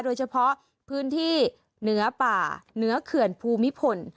โดยเฉพาะพื้นที่เหนือป่าเหนือเขื่อนภูมิพล